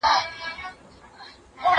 بيزو وان هم يو ځاى كښينستى حيران وو